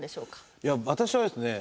いや私はですね